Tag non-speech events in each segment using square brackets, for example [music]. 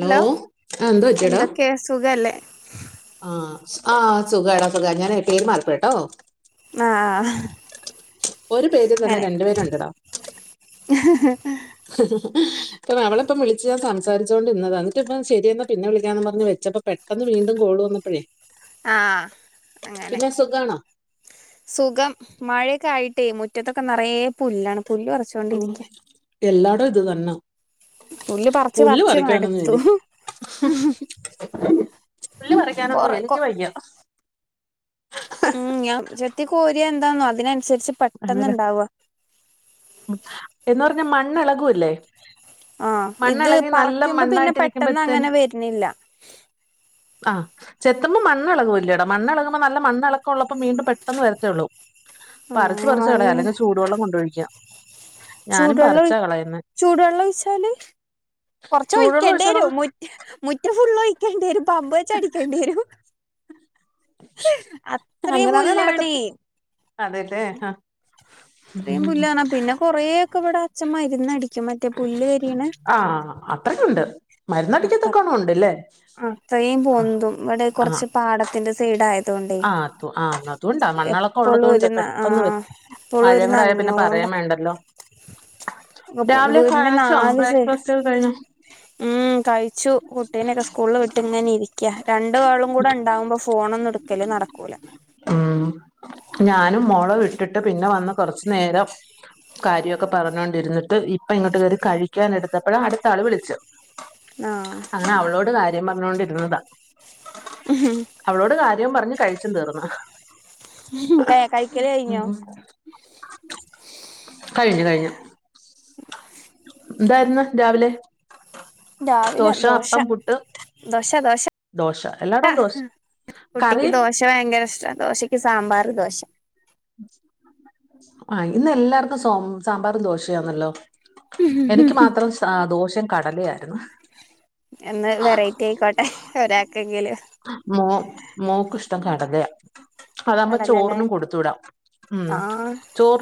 Hello ആ എന്തോ എന്തൊക്കെ സുഖല്ലേ ആഹ് ആഹ് സുഖാട സുഖ ഞാൻ പേര് മാറിപ്പോയിട്ടോ അഹ് ആഹ് ഒരു പേര്ൽ തന്നെ അങ്ങനെ രണ്ടു പേര്ണ്ടടാ അപ്പ അവളിപ്പം വിളിച്ച് ഞാൻ സംസാരിച്ചോണ്ട് ഇന്നതാ എന്നിട്ടിപ്പ ശരി എന്നാ പിന്നെ വിളിക്കാന്ന് പറഞ്ഞ് വെച്ചപ്പോ പെ ട്ടന്ന് വീണ്ടും കോള് വന്നപ്പഴേ ആഹ് അങ്ങനെ സുഖാണോ സുഖം മഴയൊക്കെ ആയിട്ടേ മുറ്റത്തൊക്കെ നിറയ പുല്ലാണ് പുല്ല് ഉം പറിച്ചോണ്ടിരിക്ക എല്ലാടവും ഇത് തന്ന പുല്ല് പറിച്ച് പുല്ല് പറിച്ച് പറിക്കാനൊന്ന് മടുത്തു രി പുല്ല് പറിക്കാനൊന്നു കൊറ കൊ എനിക്ക് വയ്യ ഉം ഞാൻ ചെത്തി കോരിയ എന്താന്നോ അതിനൻസരിച്ച് അല്ലടാ എന്ന് പറഞ്ഞാ മണ്ണിളകൂല്ലേ ആഹ് ഇത് മണ്ണിളകി നല്ല പറക്കുമ്പോ പിന്നെ പെട്ടെന്ന് മണ്ണായിട്ടിരിക്കുമ്പോഴത്തേന് അങ്ങനെ വരുന്നില്ല ആഹ് ചെത്തുമ്പോ മണ്ണെളകുല്ലേടാ മണ്ണിളകുമ്പോ നല്ല മണ്ണിളക്കം ഉള്ളപ്പം വീണ്ടും പെട്ടെന്ന് വരത്തേയുള്ളൂ പറിച്ച് ആഹ് പറിച്ച് കളയാ നല്ല അല്ലെങ്കിൽ ചൂടുവെള്ളം കൊണ്ടൊഴിക്കാം ചൂടുവെള്ളം ഒയ് ചൂടുവെള്ളം ഒഴിച്ചാല് കൊറച്ച ചൂടുവെള്ളം ഒഴിക്കേണ്ടി ഒഴിച്ച് വരു അതങ്ങ് മുറ്റ ഫുള്ള് ഒഴിക്കേണ്ടി വരും പമ്പ് വെച്ച അടിക്കേണ്ടി വരും അത്രയും പുല്ലാണേ അതെല്ലെ ആഹ് ഇത്രയും പുല്ലാണ പിന്നെ കൊറേക്കെ ഇവിടെ അഛ മരുന്ന് അടിക്കും മറ്റേ പുല്ല് കരിണ അത്രക്കുണ്ട് [unintelligible] അഹ് അത്രയും ആ പൊന്തും ഇവിടെ കുറച്ച് പാടത്തിന്റെ സൈഡായ ആഹ് തു ആഹ് അതുകൊണ്ടാ മണ്ണളക്കെ എപ്പോഴും ഉള്ളതോണ്ട് ഒരു ന ആ പെട്ടെന്ന് വരും എപ്പോഴും ഒരു മഴയും കൂടെ ആയ പിന്നെ നനഞ്ഞോണ്ട പറയാൻ വേണ്ട ലോ വീടിന്റെ കഴിച്ചോ നാല് സൈഡും ബ്രേക്ക്ഫാസ്റ്റ് ഒക്കെ കഴിഞ്ഞോ ഉം കഴ യിച്ചു കുട്ടീനെക്കെ സ്കൂളിൽ വിട്ട് ഇങ്ങനെ ഇരിക്ക രണ്ടുകേളും കൂടെ ഉണ്ടാവുമ്പോ ഫോണ ഒന്നും എടുക്ക ക്കല് നടക്കൂല ഉം ഞാനും മോളെ വിട്ടിട്ട് പിന്നെ വന്ന് കൊറച്ചു നേരം കാര്യക്കെ പറഞ്ഞോണ്ടിരുന്നിട്ട് ഇപ്പ ഇങ്ങോട്ട് കേറി കഴിക്കാൻ എടുത്തപ്പോഴ അടുത്ത ആള് വിളിച്ച ആഹ് ങ്ങനെ അവളോട് കാര്യം പറഞ്ഞോണ്ടിരുന്നതാ ആഹ അവളോട് കാര്യം പറഞ്ഞ് കഴിച്ചും തീർന്ന്‌ ന്തേ കയിക്കല് കയിഞ്ഞോ കഴിഞ്ഞു കഴിഞ്ഞു ന്തായിരുന്നു രാവിലെ ദോശ അപ്പം പുട്ട് ദോശ ദോശ ദോശ എല്ലാടോ ദോശ കറി ത് വയങ്കര ഇഷ്ട ദോശക്ക് സാമ്പാറ് ദോശ ആഹ് ഇന്ന് എല്ലാർക്കും സോ സാമ്പാറും ദോശയാന്നല്ലോ എനിക്ക് മാത്രം സാ ദോശേ കടലായിരുന്നു എന്ന് വെറൈറ്റി ആയിക്കോട്ടെ ഒരാക്കെങ്കിലു മോ മോക്ക്ഷ്ടം കടല അതാഉമ്പോ കടലല്ലേ ചോറിനും കൊടുത്തു വിടാം ആഹ് ആഹ്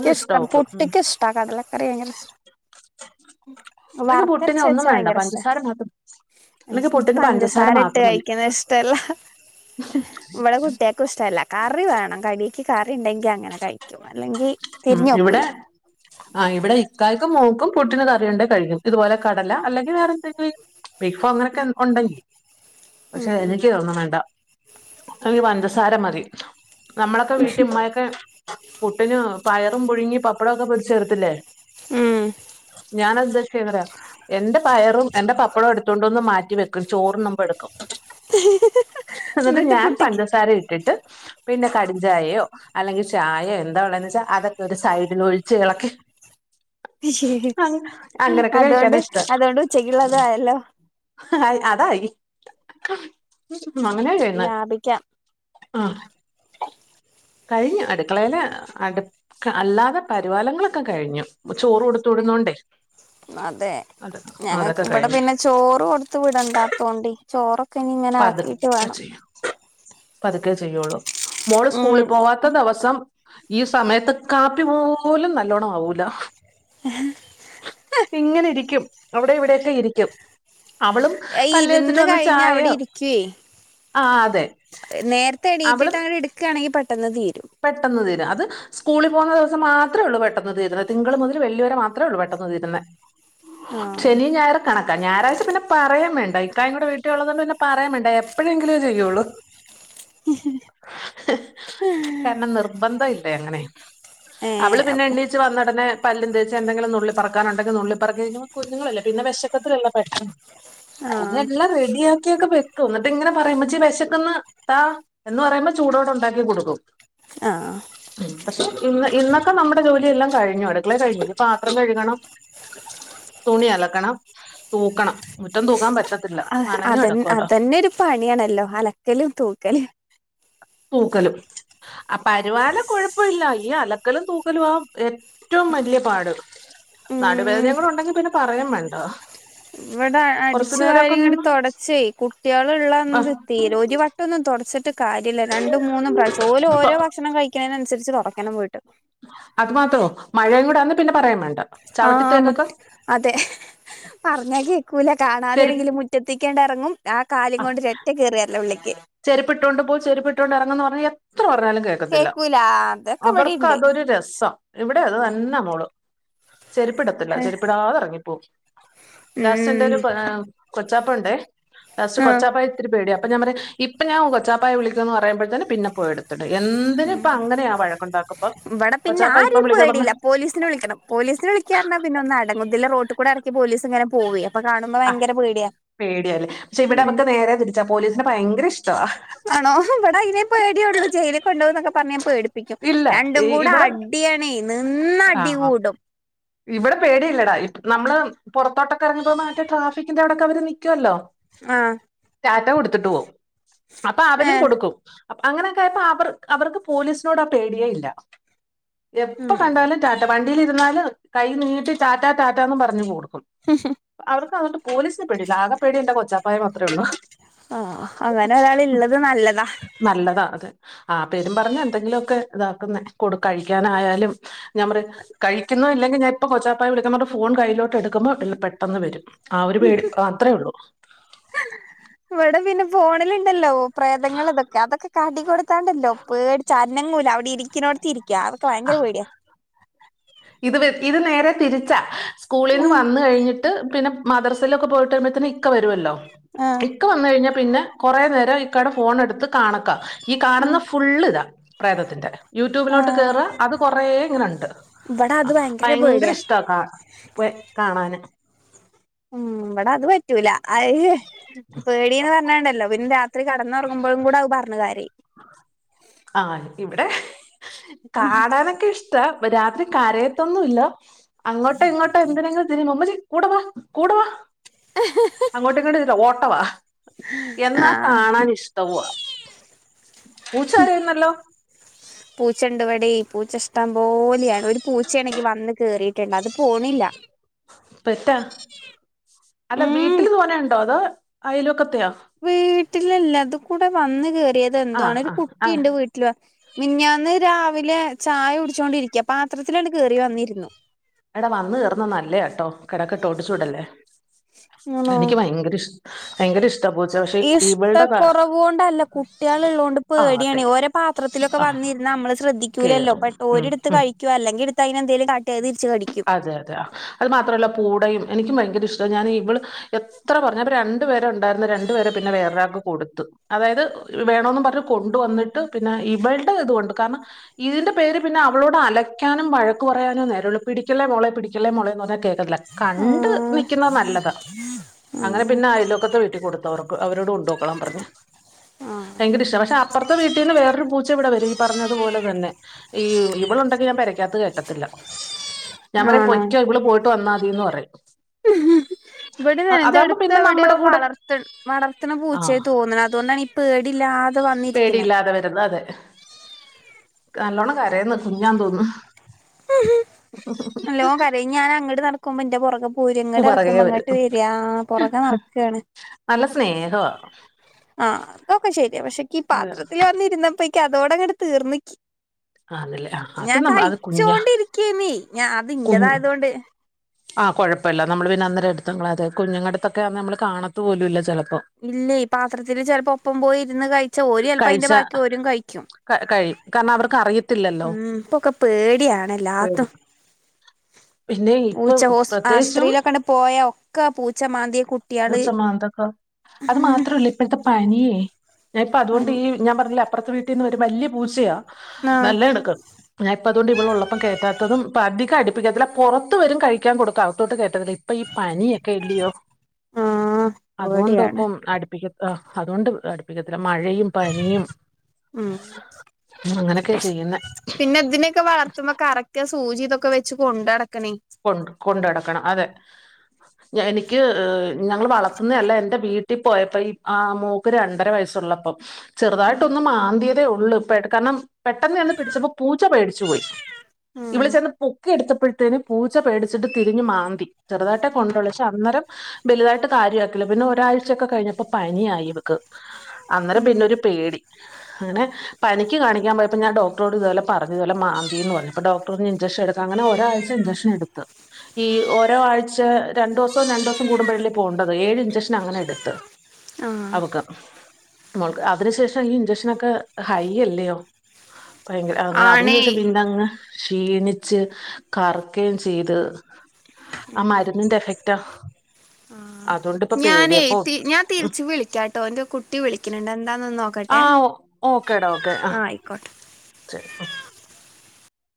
കിഷ്ടം അവക്ക് ഉം. പുുട്ടിക്കിഷ്ട കടലക്കറി ഭയങ്കരഷ് എനിക്ക് പുട്ടിന് വറത്തരച്ച് ഒന്നും വെച്ചാ വേണ്ട വയങ്കര ഇഷ്ട പഞ്ചസാര മാത്രം എനിക്ക് പുട്ടിന് പഞ്ചസാര ഇട്ട് മാത്രം മതി കഴിക്കുന്നത് ഇഷ്ടല്ല ഇവിടെ കു ട്ട്യേക്കു ഇഷ്ടല്ല കറി വേണം കടിക്ക് കറിണ്ടെങ്കി അങ്ങനെ കഴിക്കും അല്ലെങ്കി അഹ് തിരിഞ്ഞു ഇവിടെ നോക്കൂല ആഹ് ഇവിടെ ഇക്കായക്കും മോക്കും പുട്ടിന് കറിയുണ്ടേ കഴികു ഇതുപോലെ കടല അല്ലെങ്കിൽ വേറെ എന്തെങ്കിലും ബിഗ് ഫോ അങ്ങനെക്കെ ഉണ്ടെങ്കി ഉം പക്ഷെ എനിക്കിതൊന്നും വേണ്ട എനിക്ക് പഞ്ചസാര മതി നമ്മളൊക്കെ വീട്ടിമ്മായൊക്കെ പുട്ടിന് പയറും പുഴുങ്ങി പപ്പടൊക്കെ പൊരിച്ച് തരത്തിലെ ഉം ഞാനെന്താ ചെയ്തതെറിയോ എന്റെ പയറും എന്റെ പപ്പടവും എടുത്തുകൊണ്ടൊന്ന് മാറ്റിവ ചോറുന്നുമ്പോ എടുക്കും എന്നിട്ട് ഞാൻ പഞ്ചസാര ഇട്ടിട്ട് പിന്നെ കട്ഞ്ചായയോ അല്ലെങ്കി ചായയോ എന്താ ഉള്ളന്ന്ച്ചാ അതൊക്കെ ഒരു സൈഡില് ഒഴിച് ഇളക്കി അങ്ങനെയൊക്കെ അതൊണ്ട് കഴിക്കാനാ അതൊണ്ട് ഉച്ചക്ക്ള്ളതായല്ലോ അഹ് അതായി മങ്ങനെ ചെയ്യുന്നേ ലാഭിക്കാം ആഹ് കഴിഞ്ഞു അടുക്കളയിലാ അടു ക്ക് അല്ലാതെ പരിവാലങ്ങളൊക്കെ കഴിഞ്ഞു ചോറ് കൊടുത്തു വിടുന്നുണ്ടേ അതെ ഞങ്ങക്കിവിടെ കഴിഞ്ഞു പിന്നെ ചോറ് കൊടുത്ത വിടണ്ടാത്തോണ്ടി ചോറൊക്കെ ഇനി ഇങ്ങനെ ആക്കിട്ട് വേണം പതുക്കേ ചെയ്യുള്ളൂ മോള് ഉം സ്കൂളി പോവാത്ത ദിവസം ഈ സമയത്ത് കാപ്പി പോലും നല്ലോണം ആവൂല ഇങ്ങനെയിരിക്കും അവിടെ ഇവിടെക്കെ ഇരിക്കും അവളും പല്ല് തേച്ചിട്ട് വന്ന് ചായ ക്ക് നേരത്തെ എണീറ്റിട്ട് അവളും അങ്ങടെടുക്കാണെങ്കി പെട്ടെന്ന് തീരും പെട്ടെന്ന് തീരും അത് സ്കൂളിൽ പോകുന്ന ദിവസം മാത്രേ ഉള്ളൂ പെട്ടെന്ന് തീരുന്നെ തിങ്കൾ മുതൽ വെള്ളി വരെ മാത്രേ ഉള്ളൂ പെട്ടെന്ന് തീരുന്നെ ആഹ് ശനിയും ഞായറും കണക്ക ഞായാഴ്ച പിന്നെ പറയും വേണ്ട ഇക്കാ കൂടെ വീട്ടിലുള്ളത് കൊണ്ട് പിന്നെ പറയും വേണ്ട എപ്പഴെങ്കിലും ചെയ്യുള്ളൂ ഏഹ് കാരണം നിർബന്ധംല്ല അങ്ങനെ അവള് ഏഹ് പിന്നെ അപ്പൊ എണീ ണീച്ചു വന്നടെനെ പല്ലും തേച്ചു എന്തെങ്കിലും നുള്ളി പററക്കാനുണ്ടെങ്കിൽ നുള്ളി പറക്കി കഴിഞ്ഞ കുഞ്ഞുങ്ങളല്ല പിന്നെ വിശക്കത്തില്ലല്ലോ പെട്ടെന്ന് ആഹ് അതെല്ലാം റെഡിയ കിക്കോ വെക്കും എന്നിട്ടിങ്ങനെ പറയു ഉമ്മച്ചി വിശക്കന്ന് താ എന്ന് പറയുമ്പോ ചൂടോടെ ഉണ്ടാക്കി കൊടുക്കും ആഹ് ഉം പക്ഷെ ഇന്ന് ഇന്നൊക്കെ നമ്മുടെ ജോലിയെല്ലാം കഴിഞ്ഞു അടുക്കളെ കഴിഞ്ഞു ഇനി പാത്രം കഴുകണം തുണി അലക്കണം തൂക്കണം മുറ്റം തൂക്കാൻ പറ്റത്ത ആ അത് അതന്നെ ഒരു പണിയാണല്ലോ അലക്കലും തൂക്കലും തൂക്കലും പരുവാടി കുഴപ്പല്ല ഈ അലക്കലും തൂക്കലും ആ ഏറ്റ് ഏറ്റവും വലിയ പാട് ഉം നാടുവേദന കൂടെ ഉണ്ടെങ്കിൽ പിന്നെ പറഴും വേണ്ട ഇവിടെ കുറച്ചു അടിച്ചു വാരി നേരമൊക്കെ അങ്ങട്ട് നിന്ന് തുടച്ചേ കുട്ടികളുള്ള എന്ത് തീരെ ഒരു വട്ടം ഒന്നും തുടച്ചിട്ട് കാര്യല്ല രണ്ട് മൂന്നും പ്രാവശ്യം ഓല് ആ ഓരോ ഭക്ഷണം കഴിക്കുന്നതിനനുസരിച്ച് തുടയ്ക്കണം പോയിട്ട് അത് മാത്രോ മഴയുടെ ആന്ന് പിന്നെ പറയാൻ വേണ്ട ആഹ് ചവിട്ടിത്തേക്കൊക്കെ അതെ പറഞ്ഞാ കേക്കൂല ചെരുപ്പ് കാണാതെണെങ്കിലും മു ഒറ്റത്തിക്കേണ്ടിറങ്ങും ആ കാലും കൊണ്ട് രറ്റ കയറിയല്ലോ ഉള്ളിക്ക് ചെരുപ്പിട്ടൊണ്ട് പോ ചെരുപ്പിട്ടൊണ്ട് ഇറങ്ങെന്ന് പറഞ്ഞാ എത്ര പറഞ്ഞാലും കേക്കൂല. അതൊക്കെ അവർക്ക് ഇവിടിണ്ട് അതൊരു രസം ഇവിടെ അത് ഉം തന്നെ മോള് ചെരിപ്പിടത്തില്ല ചെരിപ്പിടാതെ ഇറങ്ങിപ്പോവും ലാസ്റ്റ് എന്റെ ഒരു പ കൊച്ചാപ്പ ഉണ്ടേ ലാസ്റ്റ് ആഹ് കൊച്ചാപ്പ ഇത്തിരി പേടി അപ്പൊ ഞാൻ പറിം ഇപ്പൊ ഞാൻ കൊച്ചാപ്പായ വിളിക്കുംന്ന് പറയുമ്പോഴത്തേനും പിന്നെ പോയി എടുത്തിട്ട് എന്നും ഉം ഇവിടെ പിന്നെ കൊച്ചാപ്പ ഇപ്പൊ ആരും വിളിക്കാൻ പറഞ്ഞു പോേടിയില്ല പോലീസിന് വിളിക്കണം പോലീസിന് വിളിക്കാന്ന് പറഞ്ഞാ പിന്നെ ഒന്ന് അടങ്ങും ഇതിലെ റോട്ട് കൂടെ ഇടക്ക് പോലീസ് ഇങ്ങനെ പോകും അപ്പൊ കാണുമ്പോ ആ ഭയങ്കരപേടിയാ പേടിയല്ലേ പക്ഷേ ഇവിടെ അവക്ക് നേരെ തിരിച്ചാ പോലീസിിനെ ഭയങ്കര ഇഷ്ടവാ ആണോവിട ഇനിം പേടേുള്ളൂ ജയില കൊണ്ടോന്നൊക്കെ പറഞ്ഞാ പേട ക്കും ഇല്ല രണ്ടും ഈ- കൂടെ ഇവിടെ അടിയണ നിന്ന അടി ആ കൂടും ഇവിടെ പേടിയില്ലെടാ നമ്മള് പുറത്തോട്ടൊക്കെ ഇറങ്ങുമ്പോ മാറ്റേ ട്രാഫിക്കിന്റെ അവിടെയൊകേ അവര് നിൽക്കുല്ലോ ആഹ് റ്റാറ്റ കൊടുത്തിട്ട് പോവും അപ്പൊ അവരും ഏഹ് കൊടുക്കും അങ്ങനെയൊക്കെ ആയപ്പോ അവർ അവർക്ക് പോലീസിനോട് ആ പേടിയ ഇല്ല എപ്പ ഉം കണ്ടാലും ടാറ്റ വണ്ടിലിരുന്നാലും കൈ നീട്ടി ടാറ്റാ ടാറ്റന്ന് പറഞ്ഞു കൊടുക്കും ഉം ഉം അവർക്ക് അതോടണ്ട് പോലീസിനേ പേടിയില്ല ആകെ പേടി എന്റെ കൊച്ചാപ്പായ മാത്രേ ഉള്ളൂ ആഹ് അങ്ങനെ ഒരാൾള്ളത് നല്ലതാ നല്ലതാ അത് ആഹ് പേരും പറഞ്ഞഞ് എന്തെങ്കിലുക്കെ ഇതാക്കുന്ന കടു കഴിക്കാനായാലും ഞാൻ പറിം കഴിക്കുന്നോ ഇല്ലങ്കിൽ ഞാൻ ഇപ്പൊ കൊച്ചാപ്പായ വിളിക്കും ഫോൺ കയ്യിലോട്ട് എടുക്കുമ്പോ പെട്ടെന്ന് വരും ആഹ് ഒരു പേടി മാത്രള്ളു ഇവിടെ പിന്നെ ഫോണിൽണ്ടല്ലോ പ്രേതങ്ങൾ അതൊക്കെ അതൊക്കെ കാട്ടി കൊ ത്താണ്ടല്ലോ പേടിച് അന്നങ്ങൂല അവിടെ ഇരിക്കുന്നോടത്തി ഇരിക്കുക അതൊക്കെ ഭയങ്കര പേടിയാ ഇത് വെ ഇത് നേരെ തിരിച്ചാ സ്കൂളിന്ന് ഉം വന്നു കഴിഞ്ഞിട്ട് പിന്നെ മദ്രസയിലൊക്കെ പോയിട്ടരുമ്പത്തിന് ഇക്ക വരുവല്ലോ ആഹ് ഇക്ക വന്ന് കഴിഞ്ഞാൽ പിന്നെ കൊറേ നേരം ഇക്കാടെ ഫോണെടുത്ത് കാണുക ഈ ഉം കാണുന്ന ഫുൾ ഇതാ പ്രേതത്തിന്റെ യൂട്യൂബിലോട്ട് ആഹ് അത് കൊറേങ്ങനെ ഉണ്ട് ഇവിടെ അത് ഭയങ്കര പേടിയാ ഇ ഇഷ്ട പോ കാണൻ ഉം ഇവിടെ അത് പറ്റൂല അത് പേടീന്ന് പറഞ്ഞണ്ടല്ലോ പിന്നെ രാ രാത്രി കടന്നറങ്ങുമ്പോഴും കൂടെ അത് പറഞ്ഞ് കരയും ആ ഇവിടെ കാണാനൊക്കെ ഇഷ്ട രാത്രി കരയത്തൊന്നും ഇല്ല അങ്ങോട്ടോ ഇങ്ങോട്ടോ എന്തിനെങ്കിലും തിരുമ്മു മ്മച്ചി കൂടവാ കൂടവാ അങ്ങോട്ട് ഇങ്ങോട്ടും ഇതിലെ ഓട്ടവാ എന്നാ ആഹ് കാണാൻ ഇഷ്ടവുവാ പൂച്ചകരയുന്നല്ലോ. [unintelligible] പൂച്ച ഇണ്ട് വടെയ് പൂച്ച ഇഷ്ടം പോലെയാണ് ഒരു പൂച്ചണെങ്കി വന്ന് കേറിയിട്ടുണ്ട് അത് പോണില്ല. പെറ്റ അല്ല ഉം വീട്ടില് തോനയുണ്ടോ അതോ അയലൊക്കത്തെയോ? വീട്ടില്ല്ല അത് കൂടെ വന്ന് കേയറിയതെന്തോ ആഹ് ആണ് ഒരു ആഹ് ആഹ് കുട്ടിയ്ണ്ട് വീട്ട മിഞ്ഞന്ന് രാവിലെ ചായ കുടിച്ചുകൊണ്ടിരിക്ക പാത്രത്തില് അട്കേറി വന്നിരുന്നു. എടാ വന്ന് കയറ്ന്ന നല്ലയാ കേട്ടോ കിടക്കെട്ടോ ഒടിച്ചൂവിടല്ലേ? ആണോ എനിക്ക് ഭയങ്കര ഇഷ്ട ഭയങ്കര ഇഷ്ട പൂച്ചയെ പക്ഷെ ഇവൾടെ കൊറവൂണ്ടല്ല. കുട്ടികളൾ ഉള്ളതുകൊണ്ട് ആഹ് പേടിയാണ്. അതെ ഓരോ പാത്രത്തിലൊക്കെ ആഹ് വന്നിര്ന്ന നമ്മള് ശ്രദ്ധിക്കൂലല്ലോ. കേറും പെട്ടോ ഉം ഒരിടുത്ത് ഉം കഴിക്ക അല്ലങ്കി എടുത്ത് അതിനെ എന്തെലും കാട്ടിയ അത് തിരിച്ച് കടിക്കും. അതെ അതെ ആഹ് അത് മാത്രമല്ല കുടയും എനിക്കും ഭയങ്കര ഇഷ്ടമാണ് ഞാൻ ഇവള്. എത്ര പറഞ്ഞലു രണ്ടു പേരെ ഉണ്ടായിരുന്നു. രണ്ടുപേരെ പിന്നെ വേറൊരാക്ക് കൊടുത്തു. അതായത് വേണോന്നും പറഞ്ഞ് കൊണ്ടുവന്നിട്ട്. പിന്നെ ഇവൾടെ ഇത് കൊണ്ട് കാരണം. ഇതിന്റെ പേരിൽ പിന്നെ അവളോട് അലക്കാനും വഴക്ക്പറയാനും നേരൊള്ളു. പിടിക്കല്ലേ മോളെ പിടിക്കല്ലേ മോളെ എന്ന് പറഞ്ഞ കേക്കൂ അല്ല കണ്ട് ആഹ് നിക്കുന്നത് നല്ലതാ. അങ്ങന പിന്നെ അയലൊക്കത്തെ വീട്ടി കൊടുത്തു അവർക്ക് അവരോട് കൊണ്ടോക്കോളാൻ പറഞ്ഞ്. ആഹ് ഭയങ്കര ഇഷ്ട പക്ഷെ അപ്പറത്തെ വീട്ടീന്ന് വേറൊരു പൂച്ച ഇവിടെ വരും. പറഞ്ഞതുപോലെ തന്നെ ഈ ഇവളുണ്ടെങ്കി ഞാൻ പേരക്കകതത്ത് കേറ്റത്തില്ല. ഞാൻ പറയും ആണോ പൊകൊ ഇവള് പോയിട്ട് വന്നാതിന്ന് പറയും. [unintelligible] അതാകുമ്പോ ഇവിടെന്നെന്തെടുത്ത് പിന്നെ എവിടെയോ നമ്മുടെ കൂടെ വളർത്ത വളർത്തണ ആ പൂച്ചയായി തോന്നണതുകൊണ്ടാണ്. പേടില്ലാത്ത പേടിയില്ലാതെ വരുന്ന് അതെ നല്ലോണം കരയ്ന്ന് കുഞ്ഞാന്ന് തോന്നുന്നു. നല്ലോം കരയും ഞാൻ അങ്ങട് നടക്കുമ്പോ എന്റൊ പുറകെ പോര കു ഇങ്ങോട്ട് പറകേ നടക്കുമ്പോ അങ്ങോട്ട് വരും വരിയാ പുറകെ നടക്കണ്. നല്ല സ്നേഹവാ ആഹ് അതൊക്കെ ശെരിയ പക്ഷേ ക്കീ ഈ പാത്രത്തിൽ വന്നിരുന്നപ്പൊയ്ക്ക് അതോടങ്ങട്ട് തീർന്ന്ക്ക്. ആത് ല ആഹ് അത് നമ്മൾ അത് കുഞ്ഞ ച്ചോണ്ടിരിക്കേന് ഞാൻ അത് ഇന്റെതായോണ്ട്. ആഹ് കൊഴപ്പല്ല നമ്മള് പിന്നെ അന്നേരം എടുത്തങ്ങളയാതെ കുഞ്ഞുങ്ങടുത്തൊക്കെ നമ്മള് കാണത്ത് പോലും ഇല്ല ചെലപ്പോ ഇല്ലേ ഈ പാത്രത്തില് ചെലപ്പോ ഒപ്പം പോയി ഇരുന്ന് കഴിച്ചാ ഓല് ചെലപ്പ അതിന്റെ ബാക്കി ഓരും കഴിക്കും. ക കഴിയും കാരണം അവർക്ക് അറിയ ത്തില്ലല്ലോ ഉം ഇപ്പൊക്കെ പേടിയാണ് എല്ലാത്തും പിന്നെയ് പൂച്ച ഹോസ് പ്രത്യേകിച്ചും ആശുപത്രിയിലൊക്കെണ്ട് പോയാ ഒക്കെ പൂച്ച മാന്തിയ കുട്ടിയാള് പൂച്ചമാന്തൊക്കെ അത് മാത്ര അല്ല ഇപ്പഴ്ത്തെ പനിം ഞാൻ ഇപ്പൊ അതുകൊണ്ട് ആഹ് ഈ ഞാൻ പറഞ്ഞില്ലേ അപ്പറത്തെ വീട്ടിന്ന് വഒരും. വലിയ പൂച്ചയാ നല്ല എണക്കം. ഞാ ഇപ്പ അതുകൊണ്ട് ഇവിളൊള്ളപ്പം കേറ്റാത്തതും. പ്പ അധികം അടിപ്പിക്കത്തില്ല പൊറത്ത് വരും കഴിക്കു പിക്കാകൊടുക്ക അകത്തോട്ട് കേറ്റരുത് ഇപ്പൊ ഈ പനിയൊക്കെ ഇല്ലയോ? ആഹ് പേടിയാണ് അതോണ്ടിപ്പം അടുപ്പിക്കത് അതോണ്ട് അടുപ്പിക്കത്തില്ല. മഴയും, പനിയും. ഉ അങ്ങനൊക്കെ ചെയ്യുന്നെ പിന്നെ ഇതിനെയൊക്കെ വളർത്തുമ്പോ കറ ഒക്കെ സൂചി ഇതൊക്കെ വെച്ച് കൊണ്ടടക്കണേ? കൊ കൊണ്ടടക്കണം അതെ എനിക്ക് ഞങ്ങൾ വളർത്തുന്നല്ല. എൻ്റെ വീ ട്ടി പോയപ്പോ ഈ ആഹ് മോക്ക് രണ്ടര വയസ്സുള്ളപ്പം ഉം ചെറുതായിട്ടൊന്ന് മാന്തിയതേയുള്ളൂ. ഇപ്പ കാരണം പെട്ടെന്ന് ചെന്ന് പിടിച്ചപ്പോ പൂച്ച പേടിച്ചു പോയി ഇവള് ഉം ചെന്ന് പൊക്കി എടുത്തപ്പഴുത്തേനും പൂച്ച പേടിച്ചിട്ട് തിരിഞ്ഞ് മാന്തി ചെറുതായിട്ടെ കൊണ്ടോള് പക്ഷെ അന്നരം വലുതായിട്ട് കാര്യക്കില്ല പിന്നെ ഒരാഴ്ചൊക്കെ കഴിഞ്ഞപ്പോ പനിയായി ഇവക്ക് അന്നേരം ഉം പിന്നൊരു പേടി അങ്ങനെ പനിക്ക് കാണിക്കാൻ പോയപ്പോ ഞാൻ ഡോക്ടറോട് ഇതുപോലെ പറഞ്ഞു ഇതുപോലെ മാന്തി എന്ന് പറഞ്ഞ് അപ്പോ ഡോക് ഇഞ്ചെക്ഷൻ എടുക്കാൻ അങ്ങനെ ഒരാഴ്ച ഇൻഞ്ചക്ഷൻ എടുത്ത് ഈ ഓരോ ആഴ്ച രണ്ടോസം രണ്ടോസം കൂടുമ്പഴല്ലേ പോവണ്ടത് ഏഴ് ഇഞ്ചക്ഷൻ അങ്ങനെ എടുത്ത് ആ അവക്ക് മോൾക്ക് അതിനുശേഷം ഈ ഇഞ്ചക്ഷനൊക്കെ ഹൈ അല്ലയോ ഭയങ്കര അങ്ങനെ അതിനു ആണേ ശേഷം പിന്നങ്ങ് ക്ഷീണിച്ച് കറു ക്കേം ചെയ്ത് ആ ഉം മരുന്നിന്റെ എഫക്റ്റാ ആഹ് അതുകൊണ്ടിപ്പ ഞാനേ പേടിയാ അപ്പൊ ഞാൻ തിരിച്ച് വിളിക്കാ ട്ടോ എന്റെ കുട്ടി വിളിക്കണണ്ട് എന്താന്ന് ഒന്ന് നോക്കട്ടെ ആഹ് ഓക്കേടാ ഓക്കെ ആഹ് ആയിക്കോട്ടെ ശരി ആഹ്